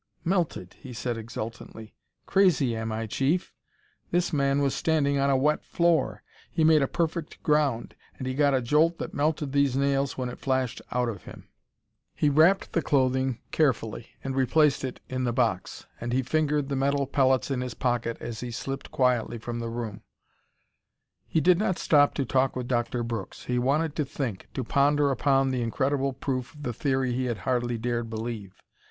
"Melted!" he said exultantly. "Crazy, am I, Chief? This man was standing on a wet floor; he made a perfect ground. And he got a jolt that melted these nails when it flashed out of him." He wrapped the clothing carefully and replaced it in the box. And he fingered the metal pellets in his pocket as he slipped quietly from the room. He did not stop to talk with Doctor Brooks; he wanted to think, to ponder upon the incredible proof of the theory he had hardly dared believe.